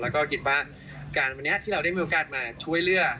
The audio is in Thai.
แล้วก็คิดว่าการวันนี้ที่เราได้มีโอกาสมาช่วยเลือก